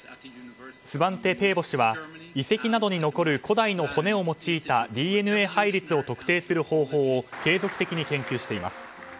スバンテ・ペーボ氏は遺跡などに残る古代の骨を用いたＤＮＡ配列を特定する方法を継続的に研究しています。